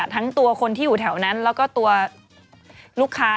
ทั้งตัวคนที่อยู่แถวนั้นแล้วก็ตัวลูกค้า